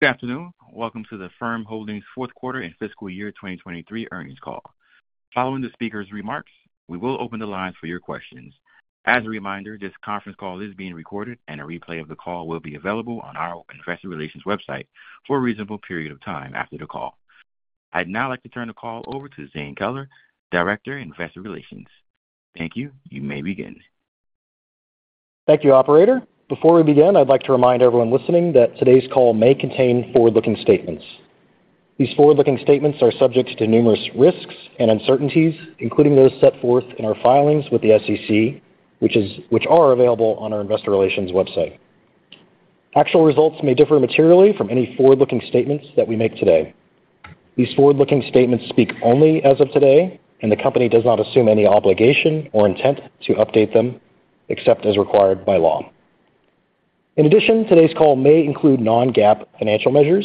Good afternoon. Welcome to the Affirm Holdings fourth quarter and fiscal year 2023 earnings call. Following the speaker's remarks, we will open the lines for your questions. As a reminder, this conference call is being recorded, and a replay of the call will be available on our investor relations website for a reasonable period of time after the call. I'd now like to turn the call over to Zane Keller, Director, Investor Relations. Thank you. You may begin. Thank you, operator. Before we begin, I'd like to remind everyone listening that today's call may contain forward-looking statements. These forward-looking statements are subject to numerous risks and uncertainties, including those set forth in our filings with the SEC, which are available on our investor relations website. Actual results may differ materially from any forward-looking statements that we make today. These forward-looking statements speak only as of today, and the company does not assume any obligation or intent to update them, except as required by law. In addition, today's call may include non-GAAP financial measures.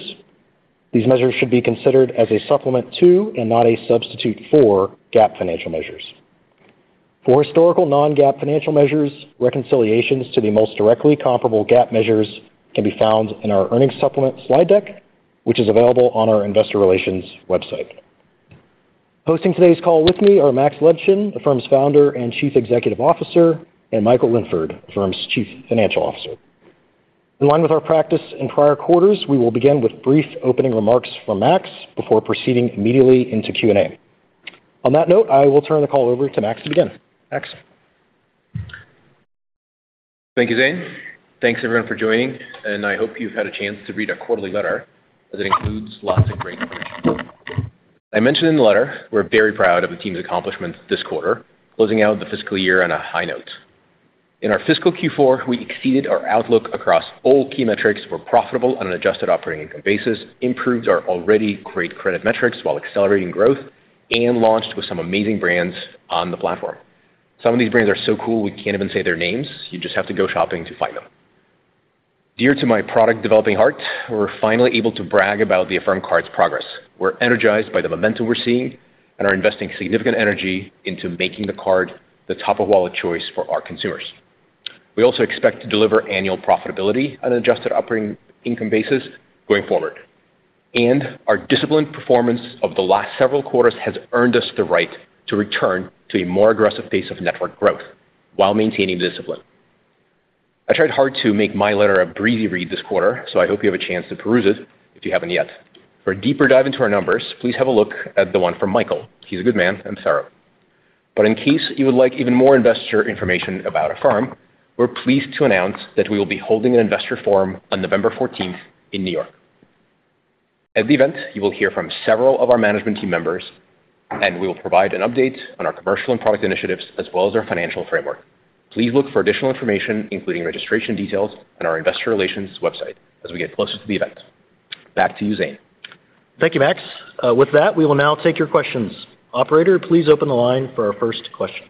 These measures should be considered as a supplement to, and not a substitute for, GAAP financial measures. For historical non-GAAP financial measures, reconciliations to the most directly comparable GAAP measures can be found in our earnings supplement slide deck, which is available on our investor relations website. Hosting today's call with me are Max Levchin, Affirm's founder and Chief Executive Officer, and Michael Linford, Affirm's Chief Financial Officer. In line with our practice in prior quarters, we will begin with brief opening remarks from Max before proceeding immediately into Q&A. On that note, I will turn the call over to Max to begin. Max? Thank you, Zane. Thanks, everyone, for joining, and I hope you've had a chance to read our quarterly letter that includes lots of great information. I mentioned in the letter we're very proud of the team's accomplishments this quarter, closing out the fiscal year on a high note. In our fiscal Q4, we exceeded our outlook across all key metrics, were profitable on an adjusted operating income basis, improved our already great credit metrics while accelerating growth, and launched with some amazing brands on the platform. Some of these brands are so cool, we can't even say their names. You just have to go shopping to find them. Dear to my product-developing heart, we're finally able to brag about the Affirm Card's progress. We're energized by the momentum we're seeing and are investing significant energy into making the card the top-of-wallet choice for our consumers. We also expect to deliver annual profitability on an adjusted operating income basis going forward, and our disciplined performance of the last several quarters has earned us the right to return to a more aggressive pace of network growth while maintaining discipline. I tried hard to make my letter a breezy read this quarter, so I hope you have a chance to peruse it if you haven't yet. For a deeper dive into our numbers, please have a look at the one from Michael. He's a good man, and thorough. But in case you would like even more investor information about Affirm, we're pleased to announce that we will be holding an investor forum on November 14th in New York. At the event, you will hear from several of our management team members, and we will provide an update on our commercial and product initiatives, as well as our financial framework. Please look for additional information, including registration details, on our investor relations website as we get closer to the event. Back to you, Zane. Thank you, Max. With that, we will now take your questions. Operator, please open the line for our first question.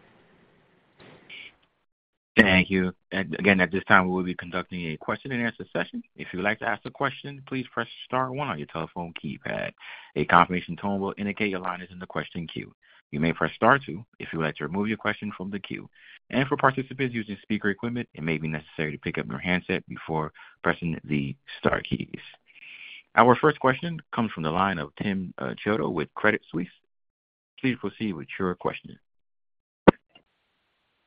Thank you. And again, at this time, we will be conducting a question-and-answer session. If you would like to ask a question, please press star one on your telephone keypad. A confirmation tone will indicate your line is in the question queue. You may press star two if you would like to remove your question from the queue. And for participants using speaker equipment, it may be necessary to pick up your handset before pressing the star keys. Our first question comes from the line of Tim Chiodo with Credit Suisse. Please proceed with your question.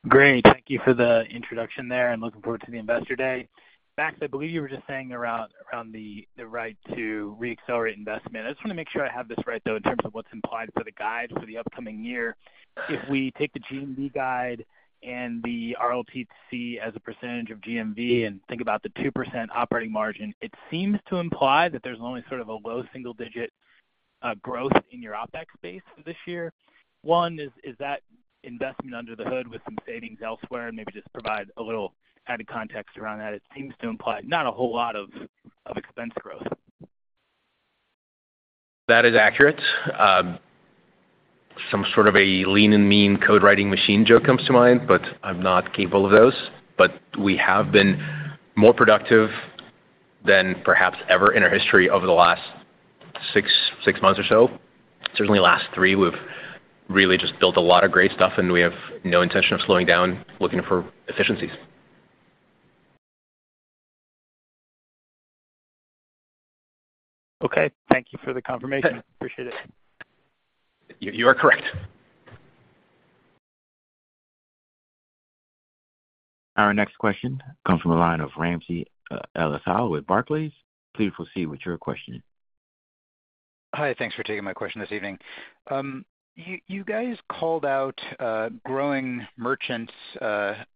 Great. Thank you for the introduction there, and looking forward to the investor day. Max, I believe you were just saying around the right to reaccelerate investment. I just want to make sure I have this right, though, in terms of what's implied for the guide for the upcoming year. If we take the GMV guide and the RLTC as a percentage of GMV and think about the 2% operating margin, it seems to imply that there's only sort of a low single-digit growth in your OpEx base for this year. Is that investment under the hood with some savings elsewhere? And maybe just provide a little added context around that. It seems to imply not a whole lot of expense growth. That is accurate. Some sort of a lean and mean code-writing machine joke comes to mind, but I'm not capable of those. But we have been more productive than perhaps ever in our history over the last six, six months or so. Certainly the last three, we've really just built a lot of great stuff, and we have no intention of slowing down looking for efficiencies. Okay, thank you for the confirmation. Appreciate it. You are correct. Our next question comes from the line of Ramsey El-Assal with Barclays. Please proceed with your question. Hi, thanks for taking my question this evening. You guys called out growing merchants at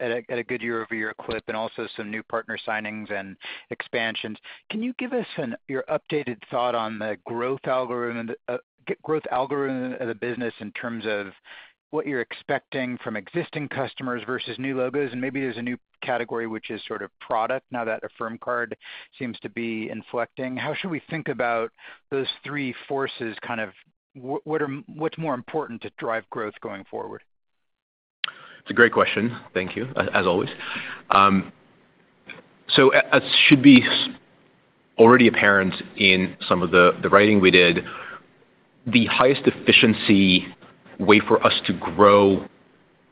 a good year-over-year clip and also some new partner signings and expansions. Can you give us your updated thought on the growth algorithm of the business in terms of what you're expecting from existing customers versus new logos? And maybe there's a new category which is sort of product, now that Affirm Card seems to be inflecting. How should we think about those three forces? Kind of what's more important to drive growth going forward? It's a great question. Thank you, as always. So as should be already apparent in some of the writing we did, the highest efficiency way for us to grow,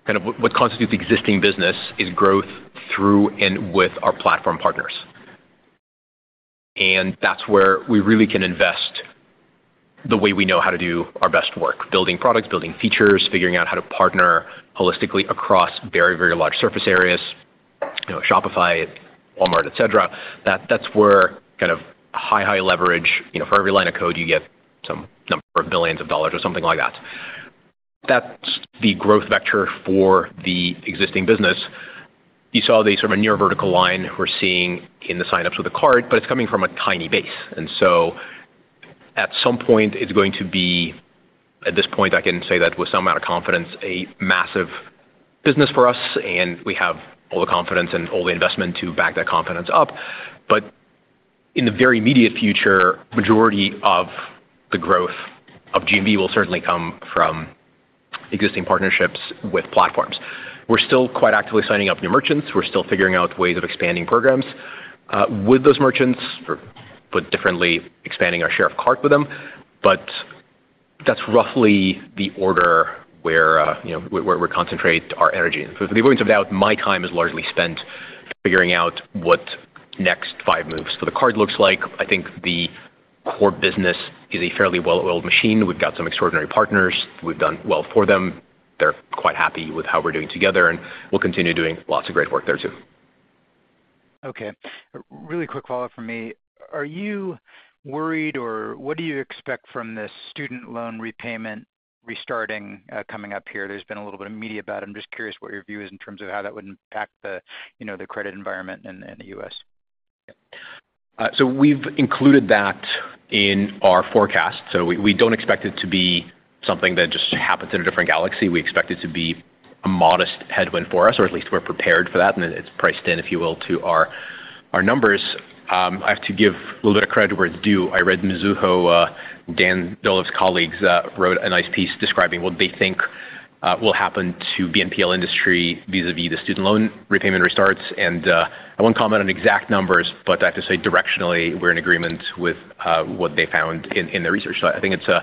kind of what constitutes the existing business, is growth through and with our platform partners. And that's where we really can invest the way we know how to do our best work, building products, building features, figuring out how to partner holistically across very, very large surface areas, you know, Shopify, Walmart, et cetera. That's where kind of high leverage, you know, for every line of code, you get some number of billions of dollars or something like that. That's the growth vector for the existing business. You saw the sort of near vertical line we're seeing in the sign-ups with the card, but it's coming from a tiny base. And so at some point, it's going to be at this point, I can say that with some amount of confidence, a massive business for us, and we have all the confidence and all the investment to back that confidence up. But in the very immediate future, majority of the growth of GMV will certainly come from existing partnerships with platforms. We're still quite actively signing up new merchants. We're still figuring out ways of expanding programs with those merchants, or put differently, expanding our share of cart with them. But that's roughly the order where you know where we concentrate our energy. For the avoidance of doubt, my time is largely spent figuring out what next five moves for the card looks like. I think the core business is a fairly well-oiled machine. We've got some extraordinary partners. We've done well for them. They're quite happy with how we're doing together, and we'll continue doing lots of great work there too. Okay. Really quick follow-up from me. Are you worried, or what do you expect from this student loan repayment restarting, coming up here? There's been a little bit of media about it. I'm just curious what your view is in terms of how that would impact the, you know, the credit environment in the U.S. So we've included that in our forecast, so we don't expect it to be something that just happens in a different galaxy. We expect it to be a modest headwind for us, or at least we're prepared for that, and it's priced in, if you will, to our numbers. I have to give a little bit of credit where it's due. I read Mizuho, Dan Dolev's colleagues, wrote a nice piece describing what they think will happen to BNPL industry vis-a-vis the student loan repayment restarts. And I won't comment on exact numbers, but I have to say directionally, we're in agreement with what they found in their research. So I think it's a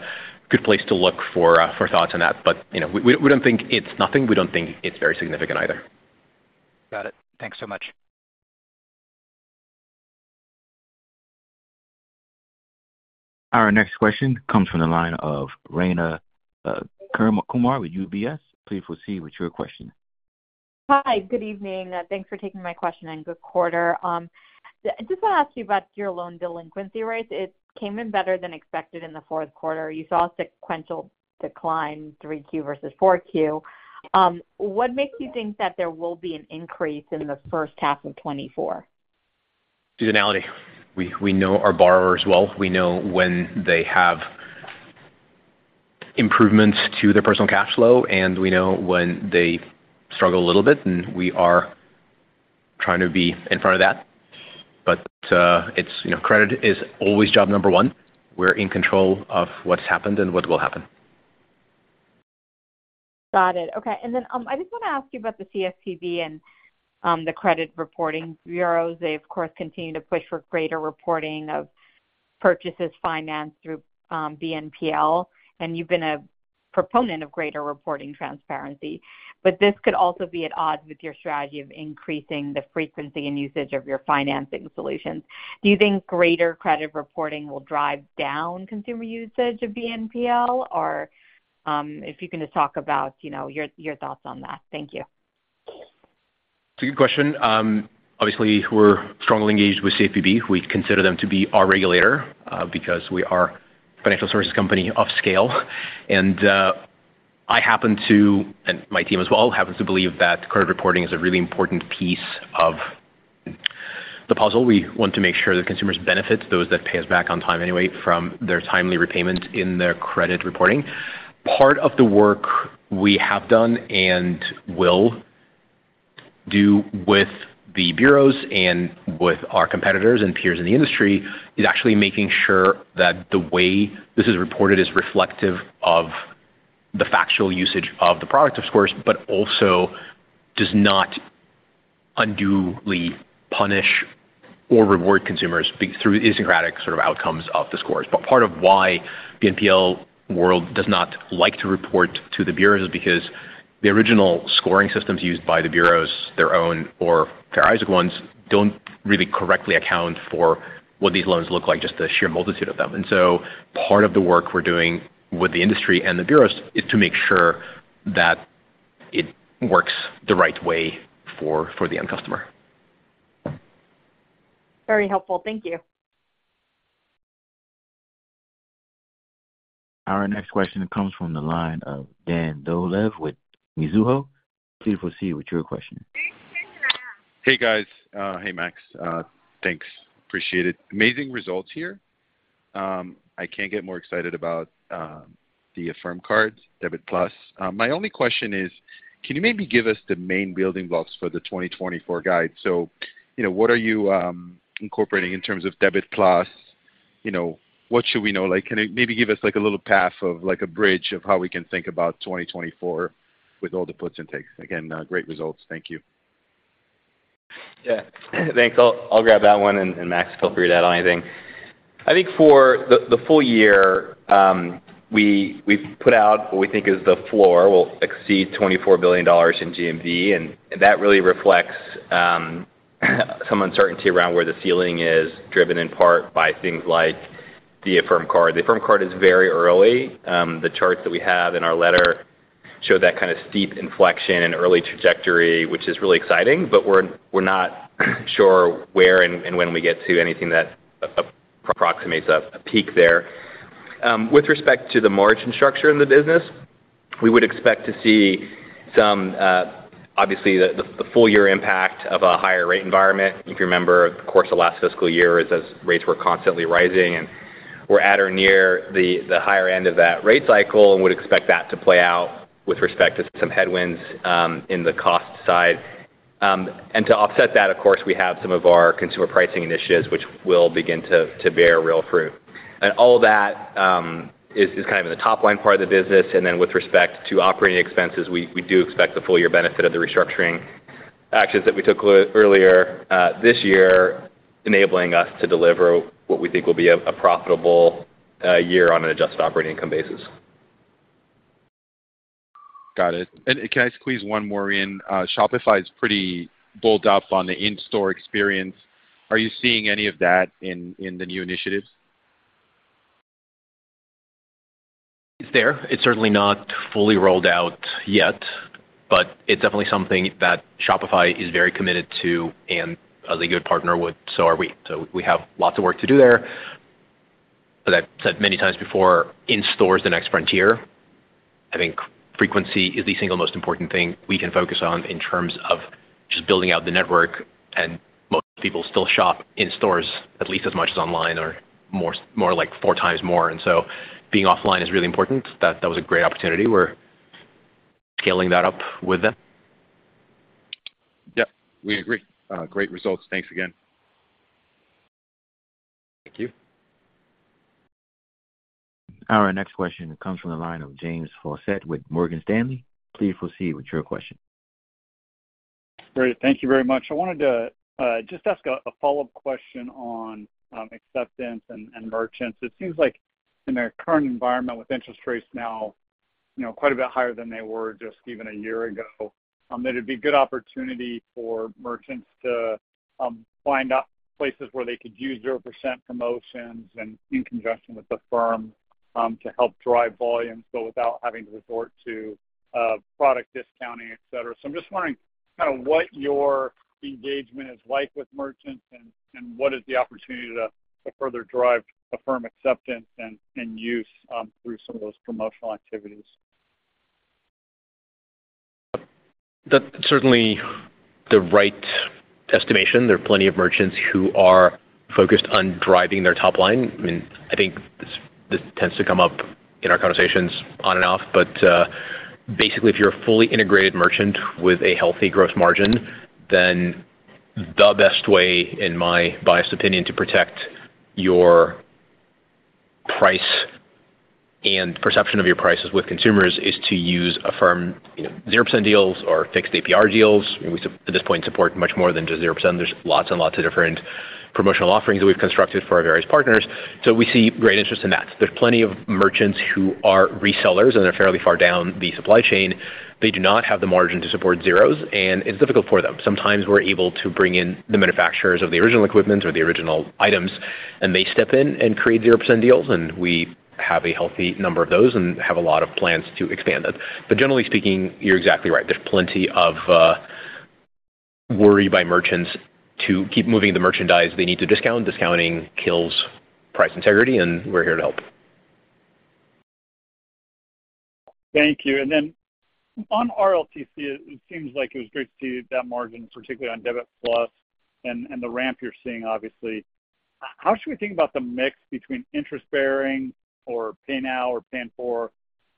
good place to look for for thoughts on that. But, you know, we don't think it's nothing. We don't think it's very significant either. Got it. Thanks so much. Our next question comes from the line of Rayna Kumar with UBS. Please proceed with your question. Hi, good evening, and thanks for taking my question, and good quarter. I just want to ask you about your loan delinquency rates. It came in better than expected in the fourth quarter. You saw a sequential decline, 3Q versus 4Q. What makes you think that there will be an increase in the first half of 2024? Seasonality. We know our borrowers well. We know when they have improvements to their personal cash flow, and we know when they struggle a little bit, and we are trying to be in front of that. But, it's, you know, credit is always job number one. We're in control of what's happened and what will happen. Got it. Okay. And then, I just want to ask you about the CFPB and, the credit reporting bureaus. They, of course, continue to push for greater reporting of purchases financed through, BNPL, and you've been a proponent of greater reporting transparency, but this could also be at odds with your strategy of increasing the frequency and usage of your financing solutions. Do you think greater credit reporting will drive down consumer usage of BNPL? Or, if you can just talk about, you know, your, your thoughts on that. Thank you. It's a good question. Obviously, we're strongly engaged with CFPB. We consider them to be our regulator, because we are a financial services company of scale. And, I happen to, and my team as well, happens to believe that credit reporting is a really important piece of the puzzle. We want to make sure the consumers benefit, those that pay us back on time anyway, from their timely repayments in their credit reporting. Part of the work we have done and will do with the bureaus and with our competitors and peers in the industry, is actually making sure that the way this is reported is reflective of the factual usage of the product, of course, but also does not unduly punish or reward consumers through the algorithmic sort of outcomes of the scores. But part of why BNPL world does not like to report to the bureaus is because the original scoring systems used by the bureaus, their own or Fair Isaac loans, don't really correctly account for what these loans look like, just the sheer multitude of them. And so part of the work we're doing with the industry and the bureaus is to make sure that it works the right way for the end customer. Very helpful. Thank you. Our next question comes from the line of Dan Dolev with Mizuho. Please proceed with your question. Hey, guys. Hey, Max. Thanks, appreciate it. Amazing results here. I can't get more excited about the Affirm Card, Debit+. My only question is, can you maybe give us the main building blocks for the 2024 guide? So, you know, what are you incorporating in terms of Debit+? You know, what should we know? Like, can you maybe give us, like, a little path of like a bridge of how we can think about 2024 with all the puts and takes? Again, great results. Thank you.... Yeah, thanks. I'll grab that one, and Max, feel free to add on anything. I think for the full year, we've put out what we think is the floor will exceed $24 billion in GMV, and that really reflects some uncertainty around where the ceiling is, driven in part by things like the Affirm Card. The Affirm Card is very early. The charts that we have in our letter show that kind of steep inflection and early trajectory, which is really exciting, but we're not sure where and when we get to anything that approximates a peak there. With respect to the margin structure in the business, we would expect to see some, obviously, the full year impact of a higher rate environment. If you remember, of course, the last fiscal year as rates were constantly rising, and we're at or near the higher end of that rate cycle and would expect that to play out with respect to some headwinds in the cost side. And to offset that, of course, we have some of our consumer pricing initiatives, which will begin to bear real fruit. And all that is kind of in the top-line part of the business. And then with respect to operating expenses, we do expect the full year benefit of the restructuring actions that we took earlier this year, enabling us to deliver what we think will be a profitable year on an adjusted operating income basis. Got it. And can I squeeze one more in? Shopify is pretty bullish on the in-store experience. Are you seeing any of that in the new initiatives? It's there. It's certainly not fully rolled out yet, but it's definitely something that Shopify is very committed to, and as a good partner would, so are we. So we have lots of work to do there, but I've said many times before, in-store is the next frontier. I think frequency is the single most important thing we can focus on in terms of just building out the network, and most people still shop in stores at least as much as online or more, more like four times more. And so being offline is really important. That, that was a great opportunity. We're scaling that up with them. Yep, we agree. Great results. Thanks again. Thank you. Our next question comes from the line of James Faucette with Morgan Stanley. Please proceed with your question. Great. Thank you very much. I wanted to just ask a follow-up question on acceptance and merchants. It seems like in their current environment, with interest rates now, you know, quite a bit higher than they were just even a year ago, that it'd be a good opportunity for merchants to find out places where they could use 0% promotions and in conjunction with Affirm to help drive volumes, but without having to resort to product discounting, et cetera. So I'm just wondering kind of what your engagement is like with merchants and what is the opportunity to further drive Affirm acceptance and use through some of those promotional activities. That's certainly the right estimation. There are plenty of merchants who are focused on driving their top line. I mean, I think this, this tends to come up in our conversations on and off, but, basically, if you're a fully integrated merchant with a healthy growth margin, then the best way, in my biased opinion, to protect your price and perception of your prices with consumers is to use Affirm, you know, 0% deals or fixed APR deals. We, at this point, support much more than just 0%. There's lots and lots of different promotional offerings that we've constructed for our various partners, so we see great interest in that. There's plenty of merchants who are resellers, and they're fairly far down the supply chain. They do not have the margin to support zeros, and it's difficult for them. Sometimes we're able to bring in the manufacturers of the original equipment or the original items, and they step in and create 0% deals, and we have a healthy number of those and have a lot of plans to expand that. But generally speaking, you're exactly right. There's plenty of worry by merchants to keep moving the merchandise they need to discount. Discounting kills price integrity, and we're here to help. Thank you. And then on RLTC, it seems like it was great to see that margin, particularly on Debit+ and the ramp you're seeing, obviously. How should we think about the mix between interest bearing or Pay Now or Pay in 4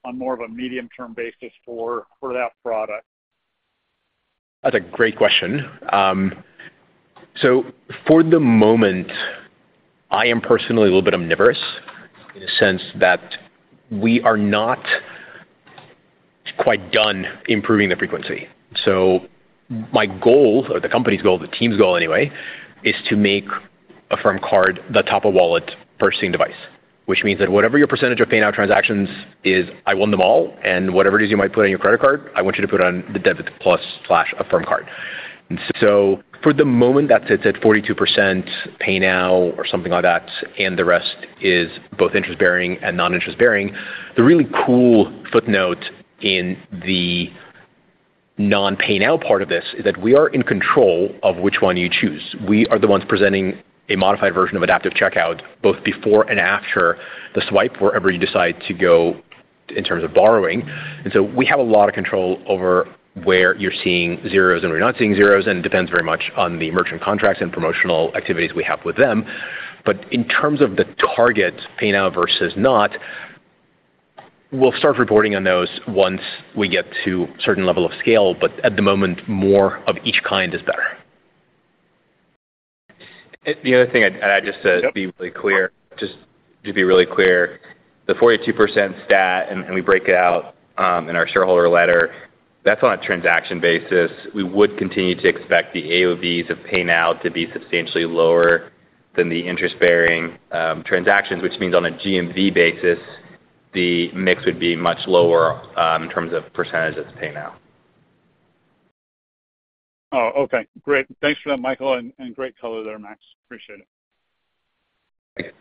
on more of a medium-term basis for that product? That's a great question. So for the moment, I am personally a little bit omnivorous in the sense that we are not quite done improving the frequency. So my goal, or the company's goal, the team's goal anyway, is to make Affirm Card the top of wallet purchasing device, which means that whatever your percentage of Pay Now transactions is, I want them all, and whatever it is you might put on your credit card, I want you to put on the Debit+/Affirm Card. So for the moment, that sits at 42% Pay Now or something like that, and the rest is both interest-bearing and non-interest bearing. The really cool footnote in the non-Pay Now part of this is that we are in control of which one you choose. We are the ones presenting a modified version of Adaptive Checkout, both before and after the swipe, wherever you decide to go in terms of borrowing. And so we have a lot of control over where you're seeing zeros and we're not seeing zeros, and it depends very much on the merchant contracts and promotional activities we have with them. But in terms of the target Pay Now versus not, we'll start reporting on those once we get to a certain level of scale, but at the moment, more of each kind is better.... The other thing I'd add, just to be really clear, just to be really clear, the 42% stat, and, and we break it out in our shareholder letter, that's on a transaction basis. We would continue to expect the AOVs of Pay Now to be substantially lower than the interest-bearing transactions, which means on a GMV basis, the mix would be much lower in terms of percentage of Pay Now. Oh, okay. Great. Thanks for that, Michael, and great color there, Max. Appreciate it. Thank you.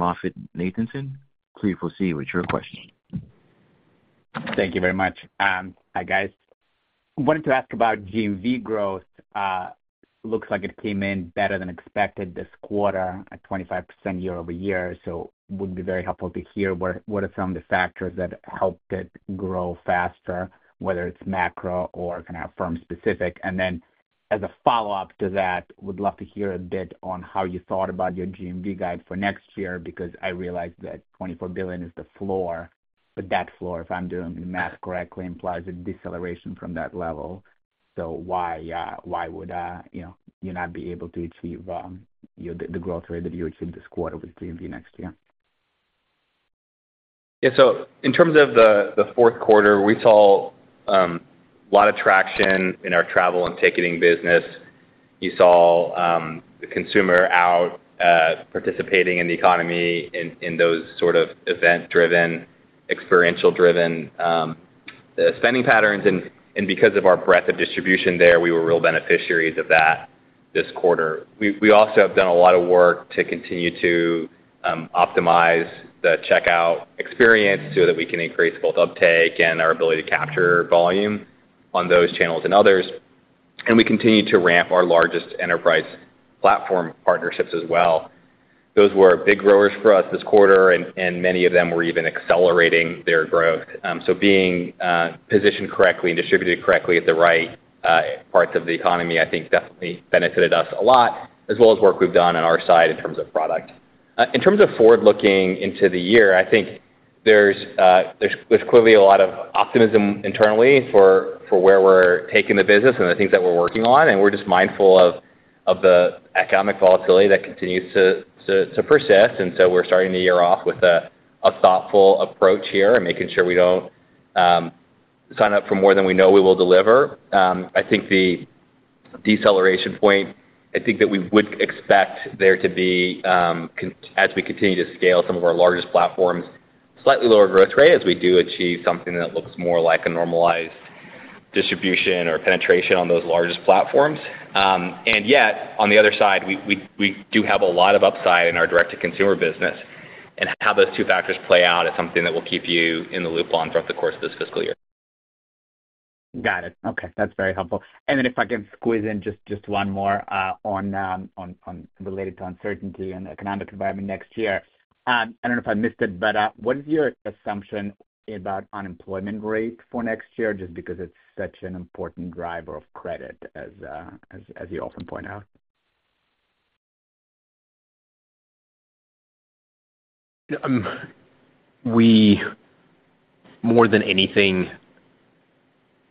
Our next question comes from the line of Eugene Simuni with MoffettNathanson. Please proceed with your question. Thank you very much. Hi, guys. Wanted to ask about GMV growth. Looks like it came in better than expected this quarter at 25% year-over-year. So would be very helpful to hear what, what are some of the factors that helped it grow faster, whether it's macro or kind of firm specific. And then as a follow-up to that, would love to hear a bit on how you thought about your GMV guide for next year, because I realize that $24 billion is the floor, but that floor, if I'm doing the math correctly, implies a deceleration from that level. So why, why would, you know, you not be able to achieve your, the growth rate that you achieved this quarter with GMV next year? Yeah, so in terms of the fourth quarter, we saw a lot of traction in our travel and ticketing business. You saw the consumer out participating in the economy in those sort of event-driven, experiential-driven spending patterns. And because of our breadth of distribution there, we were real beneficiaries of that this quarter. We also have done a lot of work to continue to optimize the checkout experience so that we can increase both uptake and our ability to capture volume on those channels and others. And we continue to ramp our largest enterprise platform partnerships as well. Those were big growers for us this quarter, and many of them were even accelerating their growth. So being positioned correctly and distributed correctly at the right parts of the economy, I think, definitely benefited us a lot, as well as work we've done on our side in terms of product. In terms of forward looking into the year, I think there's clearly a lot of optimism internally for where we're taking the business and the things that we're working on, and we're just mindful of the economic volatility that continues to persist. And so we're starting the year off with a thoughtful approach here and making sure we don't sign up for more than we know we will deliver. I think the deceleration point, I think that we would expect there to be, as we continue to scale some of our largest platforms, slightly lower growth rate as we do achieve something that looks more like a normalized distribution or penetration on those largest platforms. And yet, on the other side, we do have a lot of upside in our direct-to-consumer business, and how those two factors play out is something that we'll keep you in the loop on throughout the course of this fiscal year. Got it. Okay, that's very helpful. And then if I can squeeze in just one more on related to uncertainty and the economic environment next year. I don't know if I missed it, but what is your assumption about unemployment rate for next year? Just because it's such an important driver of credit as you often point out. We, more than anything,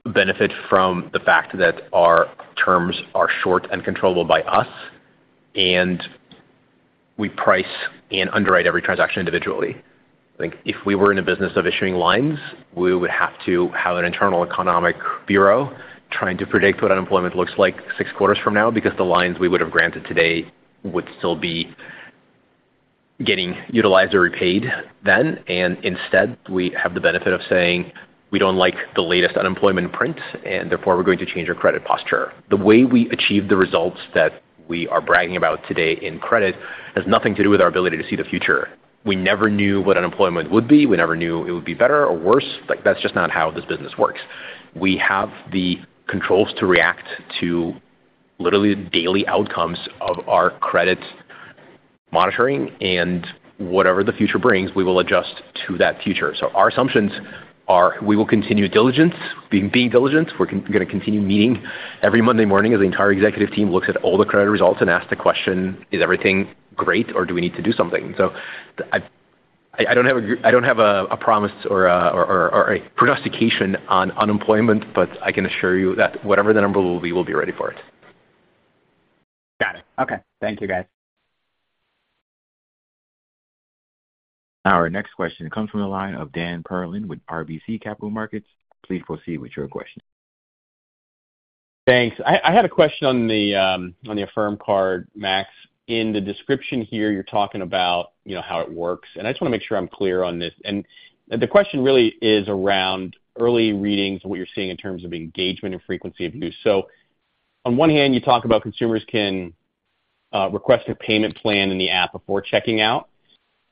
benefit from the fact that our terms are short and controllable by us, and we price and underwrite every transaction individually. Like, if we were in a business of issuing lines, we would have to have an internal economic bureau trying to predict what unemployment looks like six quarters from now, because the lines we would have granted today would still be getting utilized or repaid then. And instead, we have the benefit of saying, "We don't like the latest unemployment prints, and therefore we're going to change our credit posture." The way we achieve the results that we are bragging about today in credit has nothing to do with our ability to see the future. We never knew what unemployment would be. We never knew it would be better or worse. Like, that's just not how this business works. We have the controls to react to literally daily outcomes of our credit monitoring, and whatever the future brings, we will adjust to that future. So our assumptions are, we will continue diligence, be diligent. We're gonna continue meeting every Monday morning as the entire executive team looks at all the credit results and asks the question: Is everything great, or do we need to do something? So I don't have a promise or a prognostication on unemployment, but I can assure you that whatever the number will be, we'll be ready for it. Got it. Okay. Thank you, guys. Our next question comes from the line of Dan Perlin with RBC Capital Markets. Please proceed with your question. Thanks. I had a question on the, on the Affirm Card, Max. In the description here, you're talking about, you know, how it works, and I just wanna make sure I'm clear on this. And the question really is around early readings and what you're seeing in terms of engagement and frequency of use. So on one hand, you talk about consumers can request a payment plan in the app before checking out,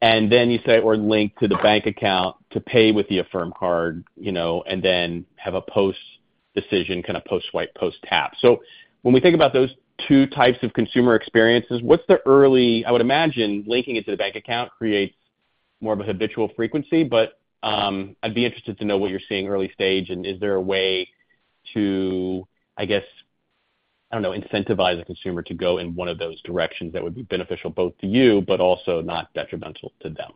and then you say, or link to the bank account to pay with the Affirm Card, you know, and then have a post-decision, kind of, post-swipe, post-tap. So when we think about those two types of consumer experiences, what's the early... I would imagine linking it to the bank account creates more of a habitual frequency, but, I'd be interested to know what you're seeing early stage, and is there a way to, I guess-... I don't know, incentivize a consumer to go in one of those directions that would be beneficial both to you but also not detrimental to them?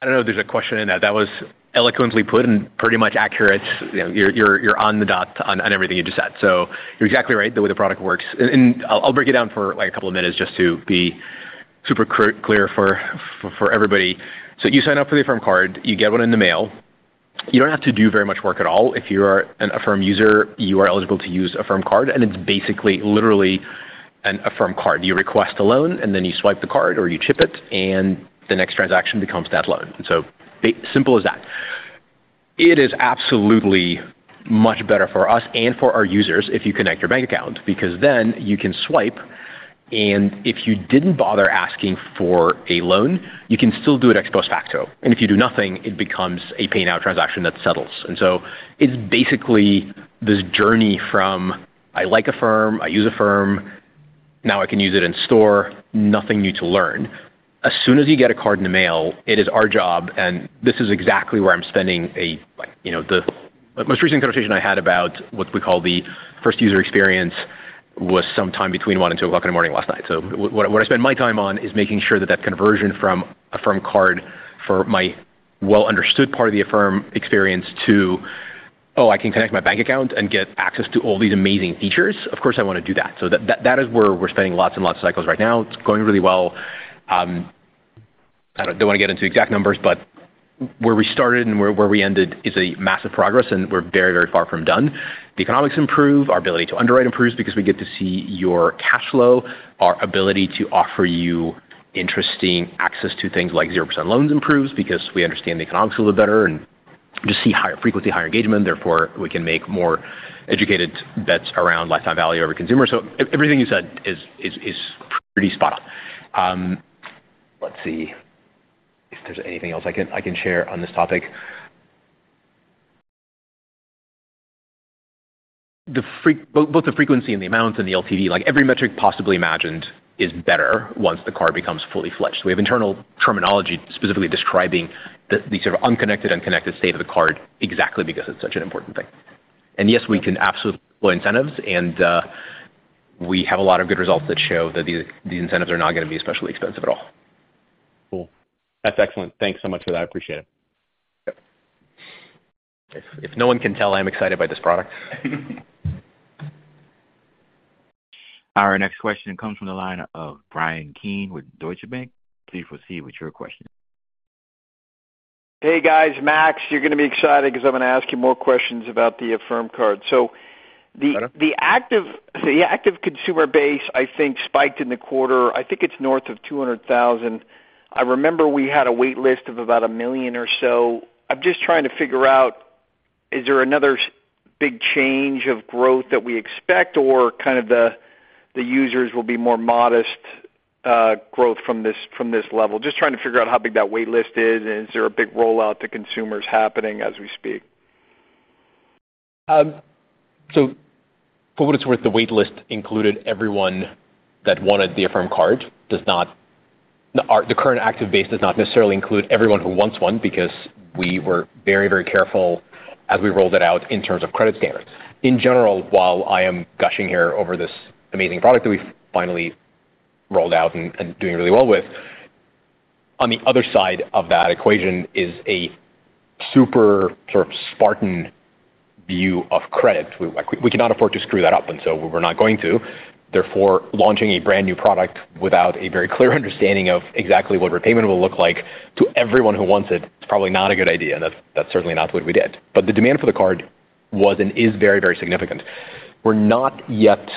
Thanks. I don't know if there's a question in that. That was eloquently put and pretty much accurate. You know, you're on the dot on everything you just said. So you're exactly right, the way the product works. And I'll break it down for, like, a couple of minutes just to be super clear for everybody. So you sign up for the Affirm Card, you get one in the mail. You don't have to do very much work at all. If you are an Affirm user, you are eligible to use Affirm Card, and it's basically, literally an Affirm Card. You request a loan, and then you swipe the card or you chip it, and the next transaction becomes that loan. So simple as that. It is absolutely much better for us and for our users if you connect your bank account, because then you can swipe, and if you didn't bother asking for a loan, you can still do it ex post facto. And if you do nothing, it becomes a Pay Now transaction that settles. And so it's basically this journey from, I like Affirm, I use Affirm, now I can use it in store. Nothing new to learn. As soon as you get a card in the mail, it is our job, and this is exactly where I'm spending a, like... You know, the most recent conversation I had about what we call the first user experience, was sometime between 1:00 A.M. and 2:00 A.M. last night. So what I spend my time on is making sure that that conversion from Affirm Card for my well-understood part of the Affirm experience to, "Oh, I can connect my bank account and get access to all these amazing features? Of course, I wanna do that." So that, that is where we're spending lots and lots of cycles right now. It's going really well. I don't want to get into exact numbers, but where we started and where we ended is a massive progress, and we're very, very far from done. The economics improve, our ability to underwrite improves because we get to see your cash flow, our ability to offer you interesting access to things like 0% loans improves because we understand the economics a little better and just see higher frequency, higher engagement, therefore, we can make more educated bets around lifetime value every consumer. So everything you said is pretty spot on. Let's see if there's anything else I can share on this topic. Both the frequency and the amounts and the LTV, like, every metric possibly imagined, is better once the card becomes fully fledged. We have internal terminology, specifically describing these sort of unconnected and connected state of the card. Exactly, because it's such an important thing. And yes, we can absolutely pull incentives, and we have a lot of good results that show that the incentives are not going to be especially expensive at all. Cool. That's excellent. Thanks so much for that. I appreciate it. Yep. If no one can tell, I'm excited by this product. Our next question comes from the line of Bryan Keane with Deutsche Bank. Please proceed with your question. Hey, guys. Max, you're going to be excited because I'm going to ask you more questions about the Affirm Card. Got it. So the active consumer base, I think, spiked in the quarter. I think it's north of 200,000. I remember we had a wait list of about one million or so. I'm just trying to figure out, is there another big change of growth that we expect, or kind of the users will be more modest growth from this, from this level? Just trying to figure out how big that wait list is, and is there a big rollout to consumers happening as we speak? So, for what it's worth, the wait list included everyone that wanted the Affirm Card. The current active base does not necessarily include everyone who wants one, because we were very, very careful as we rolled it out in terms of credit standards. In general, while I am gushing here over this amazing product that we finally rolled out and doing really well with, on the other side of that equation is a super sort of Spartan view of credit. We, like, we cannot afford to screw that up, and so we're not going to. Therefore, launching a brand new product without a very clear understanding of exactly what repayment will look like to everyone who wants it, is probably not a good idea, and that's certainly not what we did. But the demand for the card was, and is very, very significant. We're not yet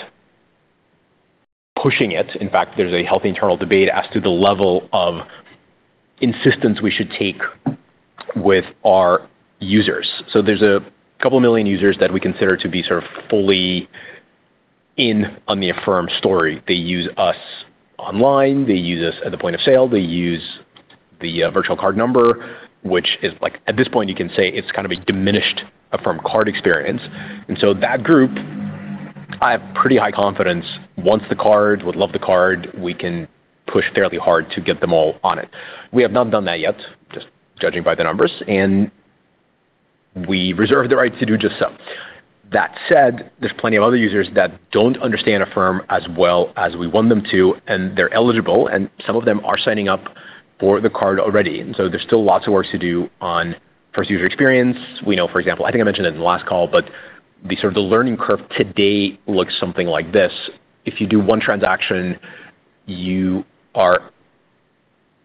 pushing it. In fact, there's a healthy internal debate as to the level of insistence we should take with our users. So there's a couple million users that we consider to be sort of fully in on the Affirm story. They use us online, they use us at the point of sale, they use the virtual card number, which is, like, at this point, you can say it's kind of a diminished Affirm Card experience. And so that group, I have pretty high confidence, wants the card, would love the card, we can push fairly hard to get them all on it. We have not done that yet, just judging by the numbers, and we reserve the right to do just so. That said, there's plenty of other users that don't understand Affirm as well as we want them to, and they're eligible, and some of them are signing up for the card already. So there's still lots of work to do on first user experience. We know, for example, I think I mentioned it in the last call, but the sort of learning curve to date looks something like this: If you do one transaction, you are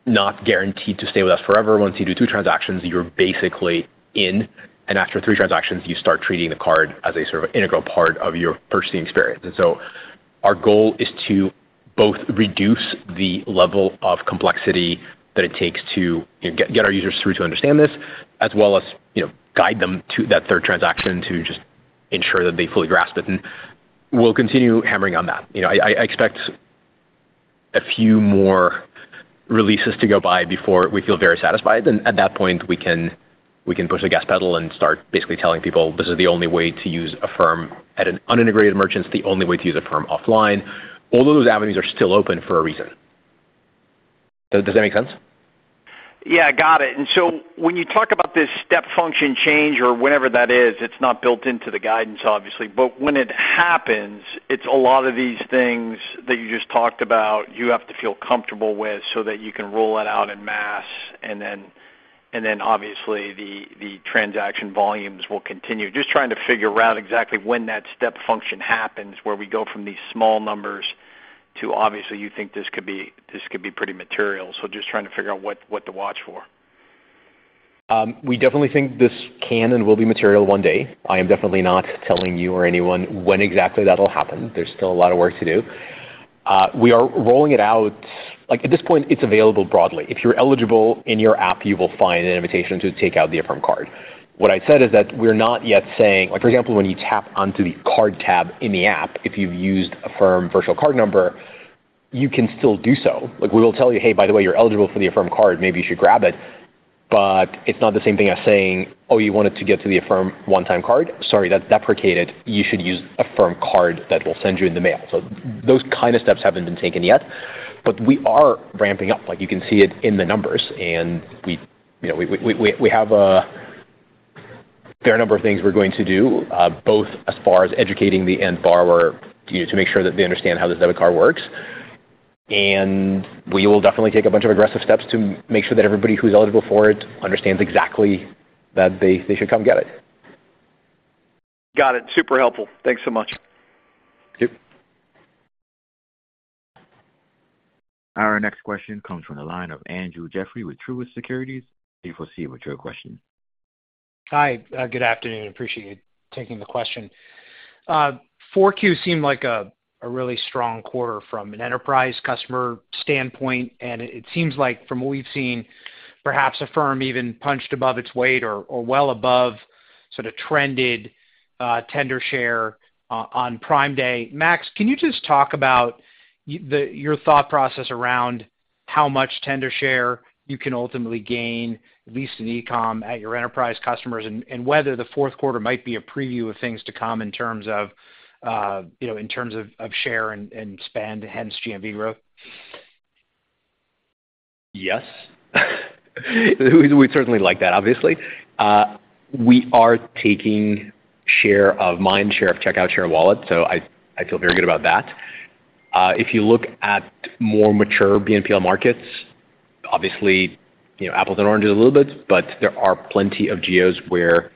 not guaranteed to stay with us forever. Once you do two transactions, you're basically in, and after three transactions, you start treating the card as a sort of integral part of your purchasing experience. Our goal is to both reduce the level of complexity that it takes to get our users through to understand this, as well as, you know, guide them to that third transaction, to just ensure that they fully grasp it, and we'll continue hammering on that. You know, I expect a few more releases to go by before we feel very satisfied. Then at that point, we can push the gas pedal and start basically telling people, "This is the only way to use Affirm at an unintegrated merchant. It's the only way to use Affirm offline." All of those avenues are still open for a reason... Does that make sense? Yeah, got it. And so when you talk about this step function change or whatever that is, it's not built into the guidance, obviously. But when it happens, it's a lot of these things that you just talked about, you have to feel comfortable with so that you can roll it out en masse, and then obviously, the transaction volumes will continue. Just trying to figure out exactly when that step function happens, where we go from these small numbers to obviously, you think this could be, this could be pretty material. So just trying to figure out what to watch for. We definitely think this can and will be material one day. I am definitely not telling you or anyone when exactly that'll happen. There's still a lot of work to do. We are rolling it out, like, at this point, it's available broadly. If you're eligible in your app, you will find an invitation to take out the Affirm Card. What I said is that we're not yet saying, like, for example, when you tap onto the card tab in the app, if you've used Affirm virtual card number, you can still do so. Like, we will tell you, "Hey, by the way, you're eligible for the Affirm Card. Maybe you should grab it." But it's not the same thing as saying, "Oh, you wanted to get to the Affirm one-time card? Sorry, that's deprecated. You should use Affirm Card that we'll send you in the mail." So those kind of steps haven't been taken yet, but we are ramping up, like, you can see it in the numbers, and we, you know, we have a fair number of things we're going to do, both as far as educating the end borrower, you know, to make sure that they understand how this debit card works. And we will definitely take a bunch of aggressive steps to make sure that everybody who's eligible for it understands exactly that they should come get it. Got it. Super helpful. Thanks so much. Thank you. Our next question comes from the line of Andrew Jeffrey with Truist Securities. Please proceed with your question. Hi, good afternoon. Appreciate you taking the question. Q4 seemed like a really strong quarter from an enterprise customer standpoint, and it seems like from what we've seen, perhaps Affirm even punched above its weight or well above sort of trended tender share on Prime Day. Max, can you just talk about your thought process around how much tender share you can ultimately gain, at least in e-com, at your enterprise customers, and whether the fourth quarter might be a preview of things to come in terms of, you know, in terms of share and spend, hence GMV growth? Yes. We certainly like that, obviously. We are taking share of mind, share of checkout, share of wallet, so I feel very good about that. If you look at more mature BNPL markets, obviously, you know, apples and oranges a little bit, but there are plenty of geos where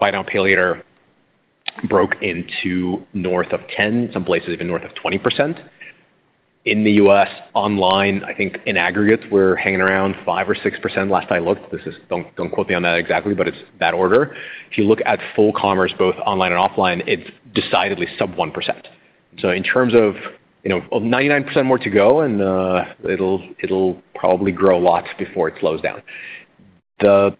Buy Now, Pay Later broke into north of 10, some places even north of 20%. In the U.S. online, I think in aggregate, we're hanging around 5% or 6% last I looked. This is—don't quote me on that exactly, but it's that order. If you look at full commerce, both online and offline, it's decidedly sub 1%. So in terms of, you know, 99% more to go, and it'll probably grow a lot before it slows down. You know,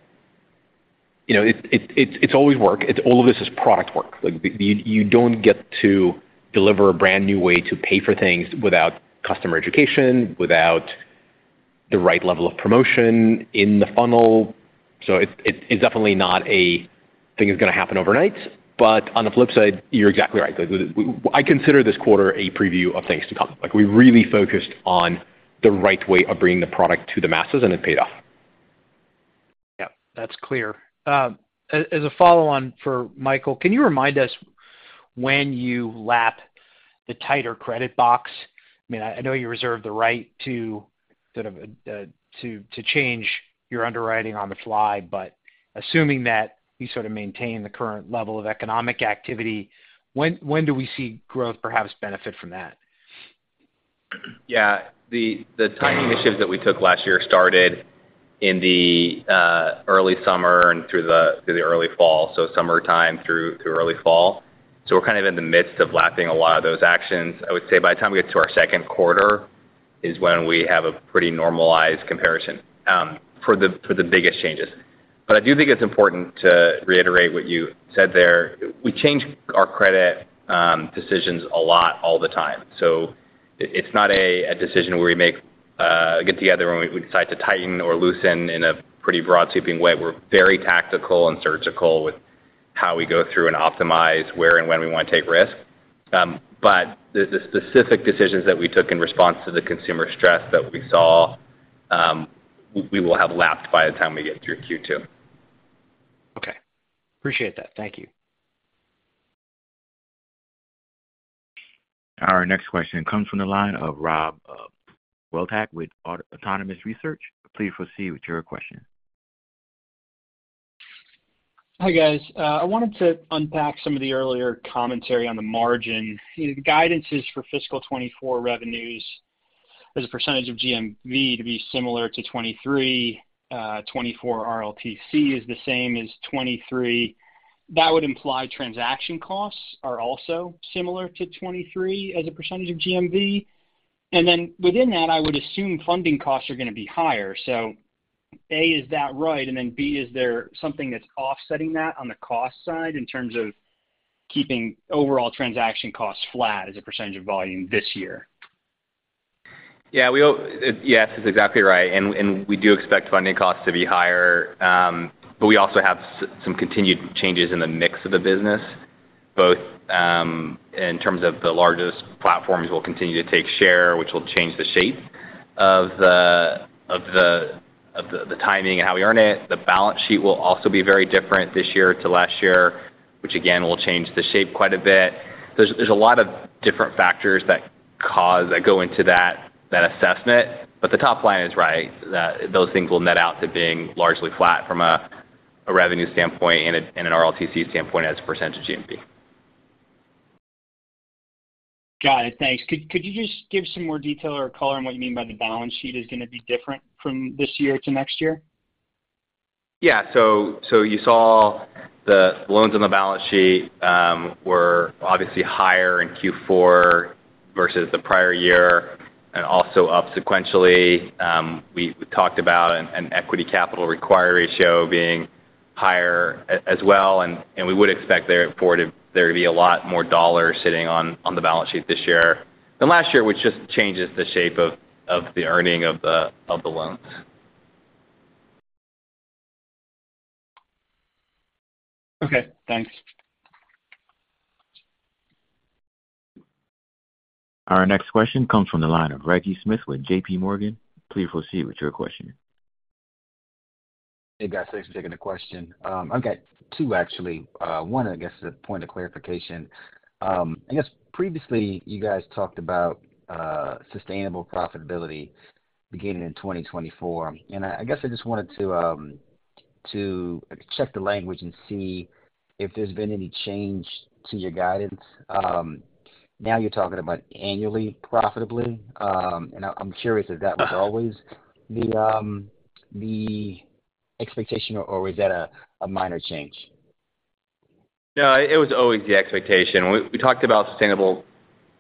it's always work. It's all of this is product work. Like, you don't get to deliver a brand new way to pay for things without customer education, without the right level of promotion in the funnel. So it's definitely not a thing that's going to happen overnight. But on the flip side, you're exactly right. Like, I consider this quarter a preview of things to come. Like, we really focused on the right way of bringing the product to the masses, and it paid off. Yeah, that's clear. As a follow-on for Michael, can you remind us when you lap the tighter credit box? I mean, I know you reserve the right to sort of to change your underwriting on the fly, but assuming that you sort of maintain the current level of economic activity, when do we see growth perhaps benefit from that? Yeah. The timing initiatives that we took last year started in the early summer and through the early fall, so summertime through early fall. So we're kind of in the midst of lapping a lot of those actions. I would say by the time we get to our second quarter is when we have a pretty normalized comparison for the biggest changes. But I do think it's important to reiterate what you said there. We change our credit decisions a lot, all the time. So it's not a decision where we get together and we decide to tighten or loosen in a pretty broad, sweeping way. We're very tactical and surgical with how we go through and optimize where and when we want to take risks. But the specific decisions that we took in response to the consumer stress that we saw, we will have lapped by the time we get through Q2. Okay. Appreciate that. Thank you. Our next question comes from the line of Rob Wildhack with Autonomous Research. Please proceed with your question. Hi, guys. I wanted to unpack some of the earlier commentary on the margin. The guidances for fiscal 2024 revenues as a percentage of GMV to be similar to 2023, 2024 RLTC is the same as 2023. That would imply transaction costs are also similar to 2023 as a percentage of GMV. And then within that, I would assume funding costs are going to be higher. So A, is that right? And then B, is there something that's offsetting that on the cost side in terms of keeping overall transaction costs flat as a percentage of volume this year? Yes, that's exactly right. And we do expect funding costs to be higher, but we also have some continued changes in the mix of the business, both in terms of the largest platforms will continue to take share, which will change the shape of the timing and how we earn it. The balance sheet will also be very different this year to last year, which again, will change the shape quite a bit. There's a lot of different factors that go into that assessment. But the top line is right, that those things will net out to being largely flat from a revenue standpoint and an RLTC standpoint as a percentage of GMV. Got it. Thanks. Could you just give some more detail or color on what you mean by the balance sheet is going to be different from this year to next year? Yeah. So you saw the loans on the balance sheet were obviously higher in Q4 versus the prior year, and also up sequentially. We talked about an equity capital requirement ratio being higher as well, and we would expect there to be a lot more dollars sitting on the balance sheet this year than last year, which just changes the shape of the earnings of the loans. Okay, thanks. Our next question comes from the line of Reggie Smith with JPMorgan. Please proceed with your question. Hey, guys. Thanks for taking the question. I've got two, actually. One, I guess, is a point of clarification. I guess previously you guys talked about sustainable profitability beginning in 2024, and I guess I just wanted to check the language and see if there's been any change to your guidance. Now you're talking about annually, profitably, and I'm curious if that was always the expectation or was that a minor change? No, it was always the expectation. We, we talked about sustainable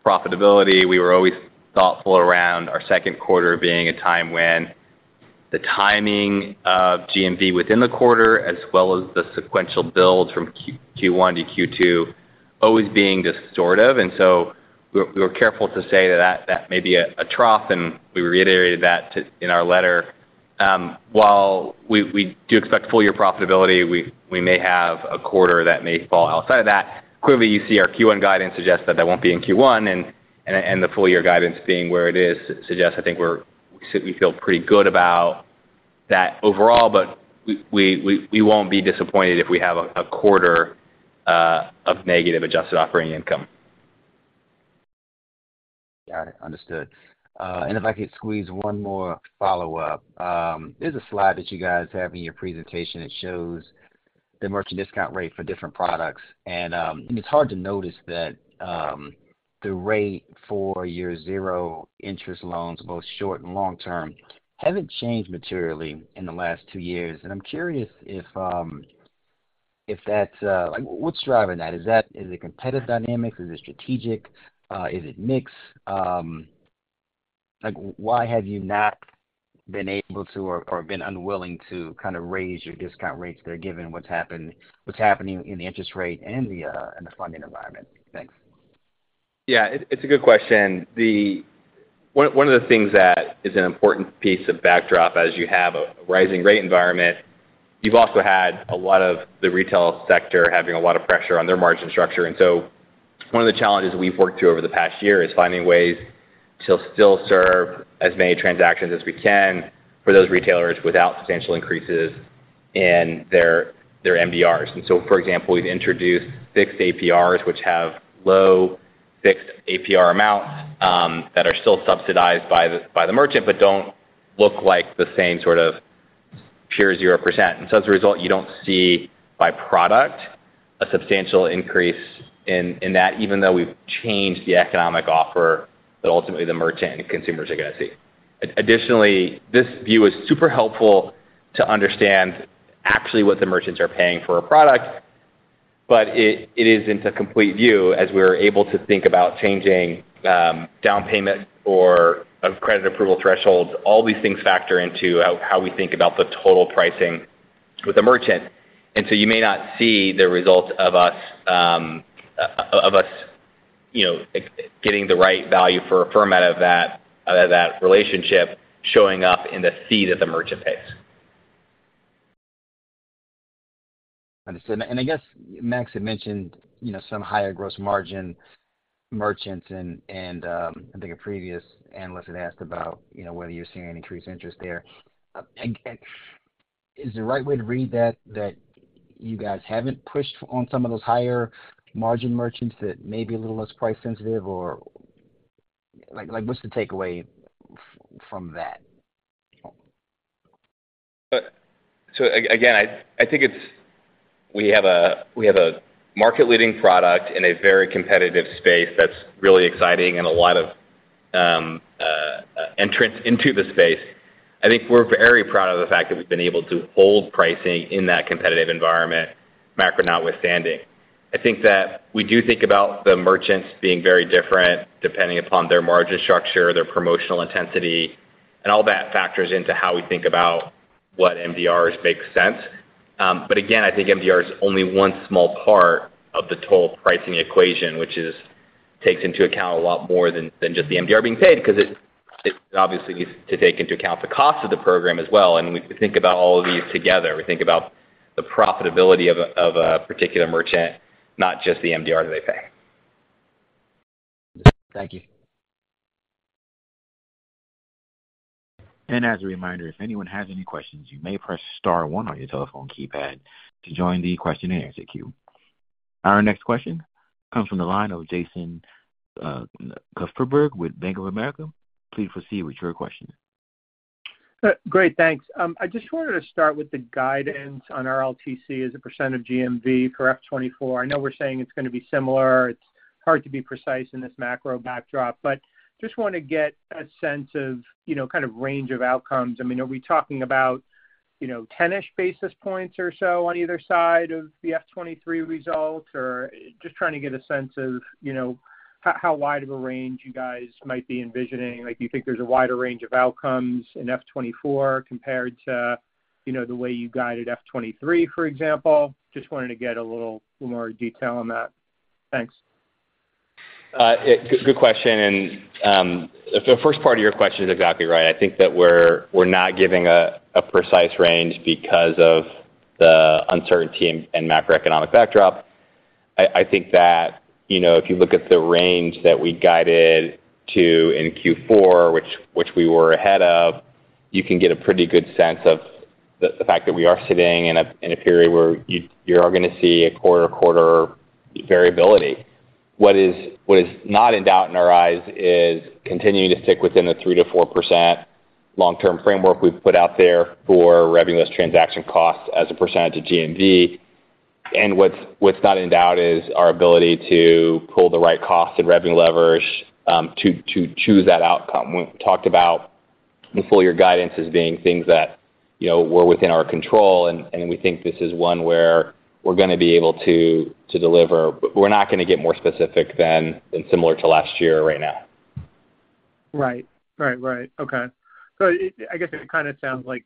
profitability. We were always thoughtful around our second quarter being a time when the timing of GMV within the quarter, as well as the sequential build from Q1 to Q2, always being distortive. And so we were, we were careful to say that that may be a, a trough, and we reiterated that, too, in our letter. While we, we do expect full year profitability, we, we may have a quarter that may fall outside of that. Clearly, you see our Q1 guidance suggests that that won't be in Q1, and, and, and the full year guidance being where it is, suggests, I think we're, we feel pretty good about that overall, but we, we, we won't be disappointed if we have a, a quarter of negative adjusted operating income. Got it. Understood. And if I could squeeze one more follow-up. There's a slide that you guys have in your presentation that shows the merchant discount rate for different products, and it's hard to notice that the rate for year zero interest loans, both short and long term, haven't changed materially in the last two years. And I'm curious if that's... Like, what's driving that? Is it competitive dynamics? Is it strategic? Is it mix? Like, why have you not been able to or been unwilling to kind of raise your discount rates there, given what's happening in the interest rate and the funding environment? Thanks. Yeah, it's a good question. One of the things that is an important piece of backdrop as you have a rising rate environment, you've also had a lot of the retail sector having a lot of pressure on their margin structure. And so one of the challenges we've worked through over the past year is finding ways to still serve as many transactions as we can for those retailers without substantial increases in their MDRs. And so, for example, we've introduced fixed APRs, which have low fixed APR amounts that are still subsidized by the merchant, but don't look like the same sort of pure 0%. And so as a result, you don't see by product a substantial increase in that, even though we've changed the economic offer that ultimately the merchant and consumers are going to see. Additionally, this view is super helpful to understand actually what the merchants are paying for a product, but it isn't a complete view as we're able to think about changing down payment or a credit approval thresholds. All these things factor into how we think about the total pricing with the merchant. And so you may not see the results of us of us, you know, getting the right value for Affirm out of that relationship, showing up in the fee that the merchant pays. Understood. And I guess Max had mentioned, you know, some higher gross margin merchants and I think a previous analyst had asked about, you know, whether you're seeing any increased interest there. And is the right way to read that, that you guys haven't pushed on some of those higher margin merchants that may be a little less price sensitive, or like, what's the takeaway from that? So again, I think it's we have a market-leading product in a very competitive space that's really exciting and a lot of entrance into the space. I think we're very proud of the fact that we've been able to hold pricing in that competitive environment, macro notwithstanding. I think that we do think about the merchants being very different, depending upon their margin structure, their promotional intensity, and all that factors into how we think about what MDRs make sense. But again, I think MDR is only one small part of the total pricing equation, which takes into account a lot more than just the MDR being paid, because it obviously needs to take into account the cost of the program as well. And we think about all of these together. We think about the profitability of a particular merchant, not just the MDR they pay. Thank you. As a reminder, if anyone has any questions, you may press star one on your telephone keypad to join the question-and-answer queue. Our next question comes from the line of Jason Kupferberg with Bank of America. Please proceed with your question. Great, thanks. I just wanted to start with the guidance on RLTC as a % of GMV for FY 2024. I know we're saying it's going to be similar. It's hard to be precise in this macro backdrop, but just want to get a sense of, you know, kind of range of outcomes. I mean, are we talking about, you know, 10-ish basis points or so on either side of the FY 2023 results? Or just trying to get a sense of, you know, how, how wide of a range you guys might be envisioning. Like, do you think there's a wider range of outcomes in FY 2024 compared to, you know, the way you guided FY 2023, for example? Just wanted to get a little more detail on that. Thanks. Good question. The first part of your question is exactly right. I think that we're not giving a precise range because of the uncertainty and macroeconomic backdrop. I think that, you know, if you look at the range that we guided to in Q4, which we were ahead of, you can get a pretty good sense of the fact that we are sitting in a period where you are going to see a quarter-to-quarter variability. What is not in doubt in our eyes is continuing to stick within the 3%-4% long-term framework we've put out there for revenue less transaction costs as a percentage of GMV. What's not in doubt is our ability to pull the right cost and revenue leverage to choose that outcome. We talked about the full year guidance as being things that, you know, were within our control, and we think this is one where we're gonna be able to deliver. But we're not gonna get more specific than similar to last year right now. Right. Right, right. Okay. So I, I guess it kind of sounds like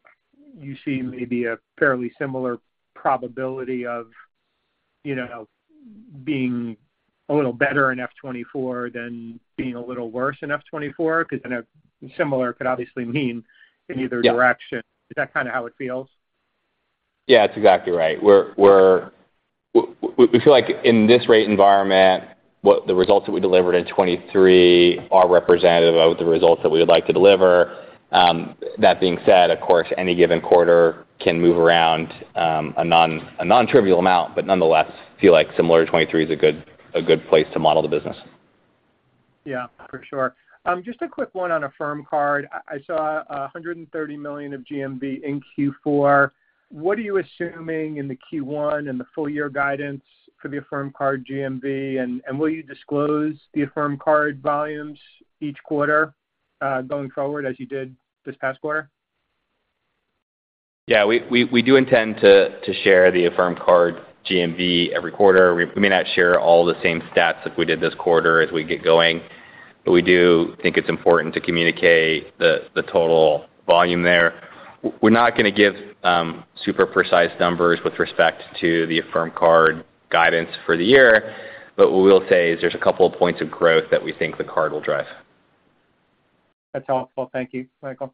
you see maybe a fairly similar probability of, you know, being a little better in FY 2024 than being a little worse in FY 2024, because then a similar could obviously mean in either direction. Yeah. Is that kind of how it feels? Yeah, that's exactly right. We feel like in this rate environment, what the results that we delivered in 2023 are representative of the results that we would like to deliver. That being said, of course, any given quarter can move around a nontrivial amount, but nonetheless, feel like similar to 2023 is a good place to model the business. Yeah, for sure. Just a quick one on Affirm Card. I saw $130 million of GMV in Q4. What are you assuming in the Q1 and the full year guidance for the Affirm Card GMV? And will you disclose the Affirm Card volumes each quarter going forward, as you did this past quarter? Yeah, we do intend to share the Affirm Card GMV every quarter. We may not share all the same stats as we did this quarter as we get going, but we do think it's important to communicate the total volume there. We're not going to give super precise numbers with respect to the Affirm Card guidance for the year, but what we'll say is there's a couple of points of growth that we think the card will drive. That's helpful. Thank you, Michael.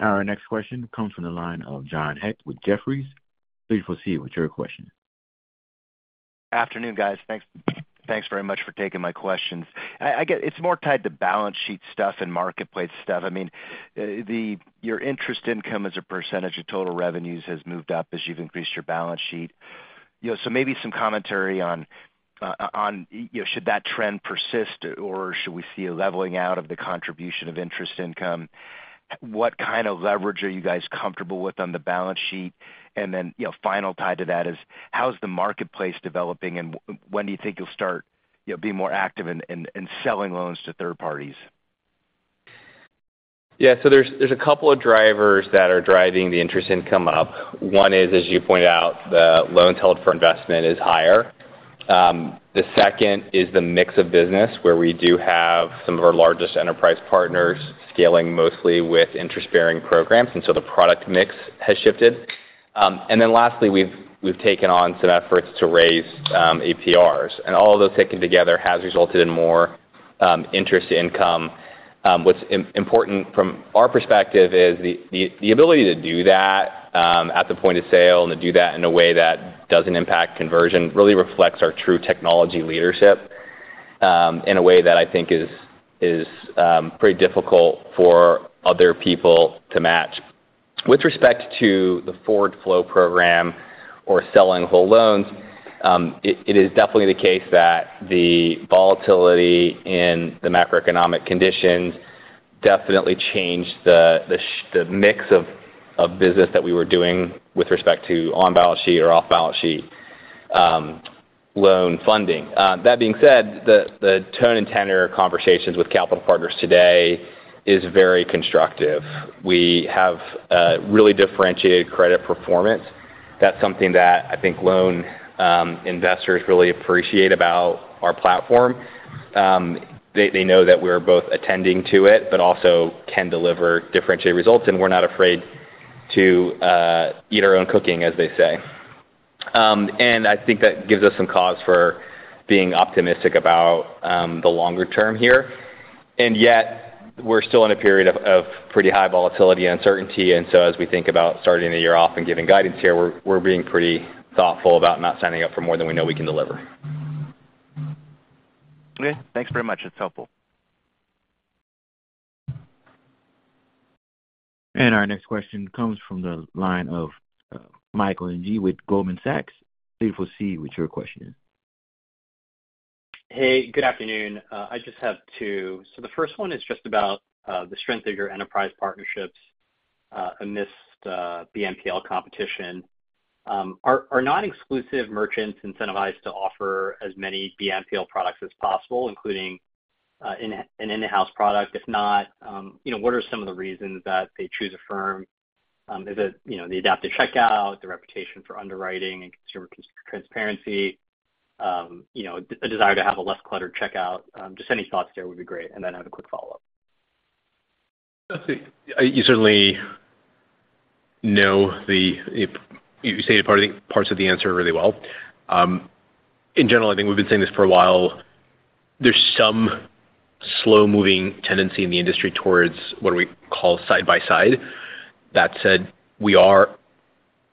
Our next question comes from the line of John Hecht with Jefferies. Please proceed with your question. Afternoon, guys. Thanks, thanks very much for taking my questions. I get it's more tied to balance sheet stuff and marketplace stuff. I mean, your interest income as a percentage of total revenues has moved up as you've increased your balance sheet. You know, so maybe some commentary on, on, you know, should that trend persist, or should we see a leveling out of the contribution of interest income? What kind of leverage are you guys comfortable with on the balance sheet? And then, you know, final tie to that is, how's the marketplace developing, and when do you think you'll start, you know, being more active in, in, in selling loans to third parties? Yeah, so there's a couple of drivers that are driving the interest income up. One is, as you pointed out, the loans held for investment is higher. The second is the mix of business, where we do have some of our largest enterprise partners scaling mostly with interest-bearing programs, and so the product mix has shifted. And then lastly, we've taken on some efforts to raise APRs, and all of those taken together has resulted in more interest income. What's important from our perspective is the ability to do that at the point of sale, and to do that in a way that doesn't impact conversion, really reflects our true technology leadership in a way that I think is pretty difficult for other people to match. With respect to the forward flow program or selling whole loans, it is definitely the case that the volatility in the macroeconomic conditions definitely changed the mix of business that we were doing with respect to on-balance sheet or off-balance sheet loan funding. That being said, the tone and tenor of conversations with capital partners today is very constructive. We have a really differentiated credit performance. That's something that I think loan investors really appreciate about our platform. They know that we're both attending to it, but also can deliver differentiated results, and we're not afraid to eat our own cooking, as they say. And I think that gives us some cause for being optimistic about the longer term here. And yet we're still in a period of pretty high volatility and uncertainty. So as we think about starting the year off and giving guidance here, we're being pretty thoughtful about not signing up for more than we know we can deliver. Okay, thanks very much. It's helpful. Our next question comes from the line of, Michael Ng with Goldman Sachs. Please proceed with your question. Hey, good afternoon. I just have two. The first one is just about the strength of your enterprise partnerships amidst BNPL competition. Are non-exclusive merchants incentivized to offer as many BNPL products as possible, including an in-house product? If not, you know, what are some of the reasons that they choose Affirm? Is it, you know, the Adaptive Checkout, the reputation for underwriting and consumer transparency, you know, a desire to have a less cluttered checkout? Just any thoughts there would be great. Then I have a quick follow-up. I think you certainly know the, you stated part, parts of the answer really well. In general, I think we've been saying this for a while. There's some slow-moving tendency in the industry towards what we call side by side. That said, we are,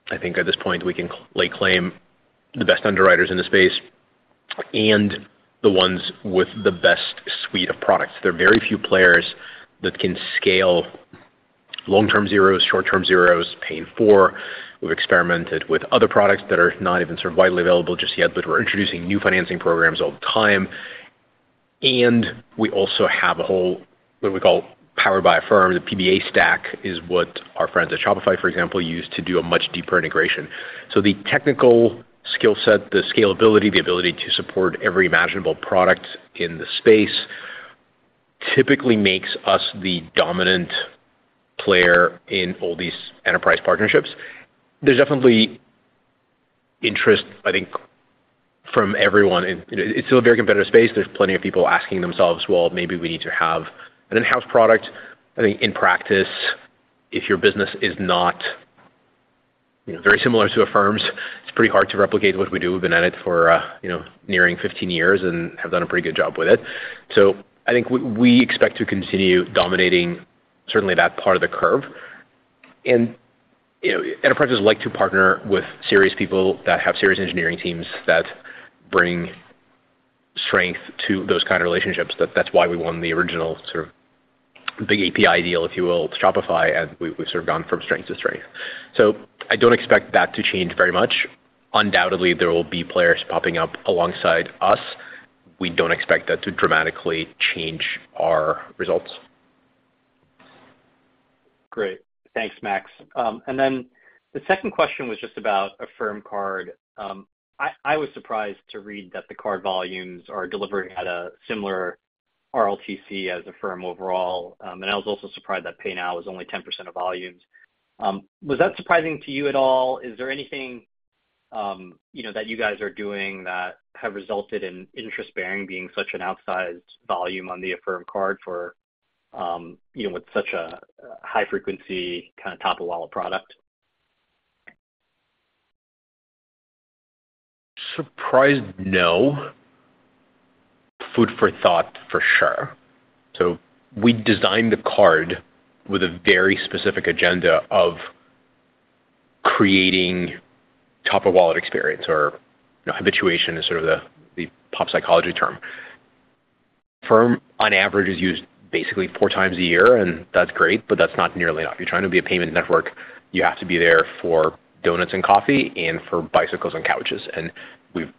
I think at this point, we can lay claim the best underwriters in the space and the ones with the best suite of products. There are very few players that can scale long-term zeros, short-term zeros, Pay in 4. We've experimented with other products that are not even sort of widely available just yet, but we're introducing new financing programs all the time. We also have a whole, what we call, Powered by Affirm. The PBA stack is what our friends at Shopify, for example, use to do a much deeper integration. So the technical skill set, the scalability, the ability to support every imaginable product in the space, typically makes us the dominant player in all these enterprise partnerships. There's definitely interest, I think, from everyone. It's still a very competitive space. There's plenty of people asking themselves, "Well, maybe we need to have an in-house product." I think in practice, if your business is not, you know, very similar to Affirm's, it's pretty hard to replicate what we do. We've been at it for, you know, nearing 15 years and have done a pretty good job with it. So I think we, we expect to continue dominating, certainly that part of the curve. And, you know, enterprises like to partner with serious people that have serious engineering teams that bring strength to those kind of relationships. That's why we won the original sort of big API deal, if you will, with Shopify, and we've sort of gone from strength to strength. So I don't expect that to change very much. Undoubtedly, there will be players popping up alongside us. We don't expect that to dramatically change our results. Great. Thanks, Max. And then the second question was just about Affirm Card. I was surprised to read that the card volumes are delivering at a similar RLTC as Affirm overall. And I was also surprised that Pay Now was only 10% of volumes. Was that surprising to you at all? Is there anything, you know, that you guys are doing that have resulted in interest bearing, being such an outsized volume on the Affirm Card for, you know, with such a high frequency kind of top-of-wallet product? Surprised? No. Food for thought, for sure. So we designed the card with a very specific agenda of creating top-of-wallet experience or habituation is sort of the pop psychology term. Affirm, on average, is used basically four times a year, and that's great, but that's not nearly enough. You're trying to be a payment network, you have to be there for donuts and coffee and for bicycles and couches, and we've,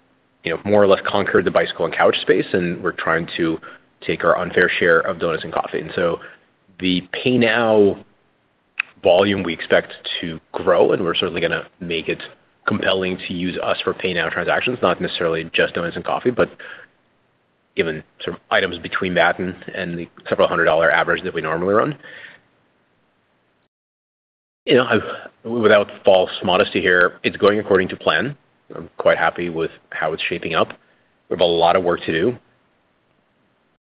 you know, more or less conquered the bicycle and couch space, and we're trying to take our unfair share of donuts and coffee. And so the Pay Now volume, we expect to grow, and we're certainly going to make it compelling to use us for Pay Now transactions, not necessarily just donuts and coffee, but given some items between that and, and the several hundred-dollar average that we normally run. You know, without false modesty here, it's going according to plan. I'm quite happy with how it's shaping up. We have a lot of work to do.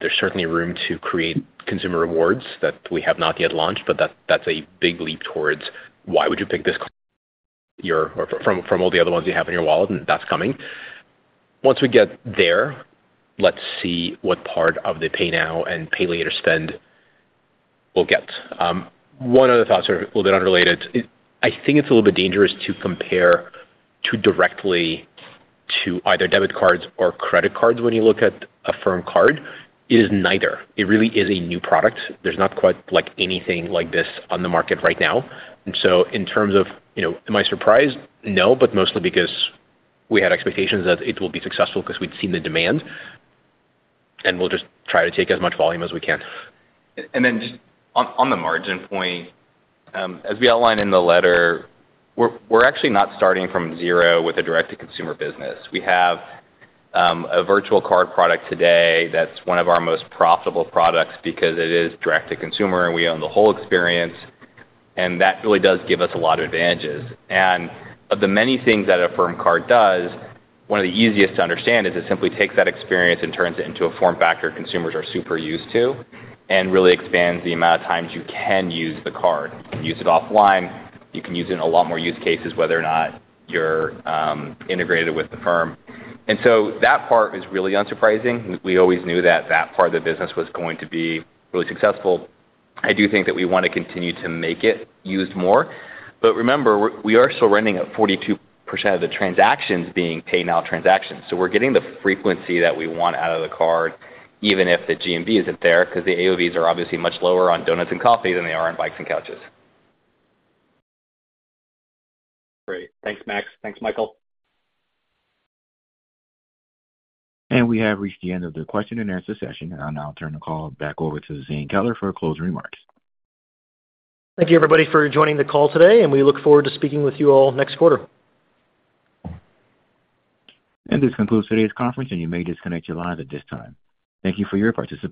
There's certainly room to create consumer rewards that we have not yet launched, but that's a big leap towards why would you pick this from all the other ones you have in your wallet? And that's coming. Once we get there, let's see what part of the Pay Now and Pay Later spend we'll get. One other thought, sort of a little bit unrelated. I think it's a little bit dangerous to compare too directly to either debit cards or credit cards when you look at Affirm Card. It is neither. It really is a new product. There's nothing quite like this on the market right now. So in terms of, you know, am I surprised? No, but mostly because we had expectations that it will be successful because we'd seen the demand, and we'll just try to take as much volume as we can. And then on the margin point, as we outlined in the letter, we're actually not starting from zero with a direct-to-consumer business. We have a virtual card product today that's one of our most profitable products because it is direct to consumer, and we own the whole experience, and that really does give us a lot of advantages. And of the many things that Affirm Card does, one of the easiest to understand is it simply takes that experience and turns it into a form factor consumers are super used to and really expands the amount of times you can use the card. You can use it offline, you can use it in a lot more use cases, whether or not you're integrated with Affirm. And so that part is really unsurprising. We always knew that that part of the business was going to be really successful. I do think that we want to continue to make it used more, but remember, we are still running at 42% of the transactions being Pay Now transactions. So we're getting the frequency that we want out of the card, even if the GMV isn't there, because the AOVs are obviously much lower on donuts and coffee than they are on bikes and couches. Great. Thanks, Max. Thanks, Michael. We have reached the end of the question-and-answer session. I'll now turn the call back over to Zane Keller for closing remarks. Thank you, everybody, for joining the call today, and we look forward to speaking with you all next quarter. This concludes today's conference, and you may disconnect your lines at this time. Thank you for your participation.